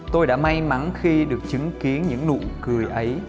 tôi đã may mắn khi được chứng kiến những nụ cười ấy